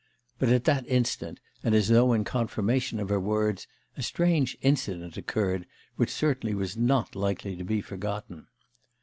But at that instant, and as though in confirmation of her words, a strange incident occurred, which certainly was not likely to be forgotten.